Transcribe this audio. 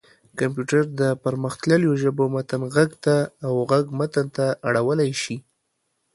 کمپيوټر د پرمختلليو ژبو متن غږ ته او غږ متن ته اړولی شي.